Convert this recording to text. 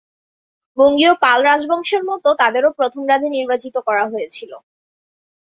বঙ্গীয় পাল রাজবংশের মত তাদেরও প্রথম রাজা নির্বাচিত করা হয়েছিল।